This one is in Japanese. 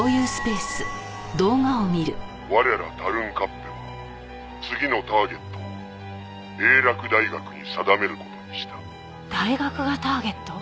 「我らタルンカッペは次のターゲットを英洛大学に定める事にした」大学がターゲット？